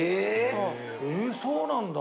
そうなんだ。